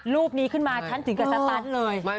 รูปนี้ขึ้นมาฉันถึงกับสตันเลย